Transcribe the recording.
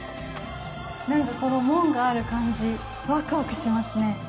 なんか、この門がある感じ、ワクワクしますね。